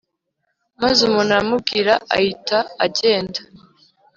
Maze umuntu aramubwira aita ajyenda